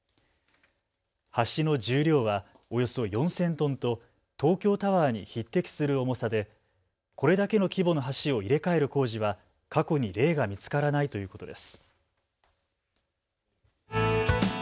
橋の重量はおよそ４０００トンと東京タワーに匹敵する重さでこれだけの規模の橋を入れ替える工事は過去に例が見つからないということです。